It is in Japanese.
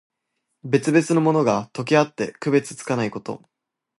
別々のものが、とけあって区別がつかないこと。